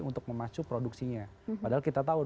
untuk memacu produksinya padahal kita tahu